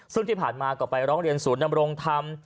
ซึ่งที่ผ่านมาก็ไปร้องเรียนศูนย์นำรงธรรม